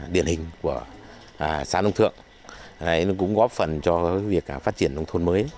điển hình của xã nông thượng cũng góp phần cho việc phát triển nông thôn mới